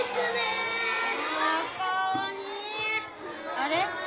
あれ？